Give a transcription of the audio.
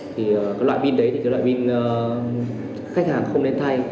thì cái loại pin đấy thì cái loại pin khách hàng không nên thay